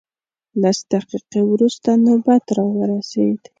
لس دقیقې وروسته نوبت راورسېد.